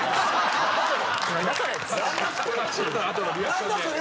「何だそれ」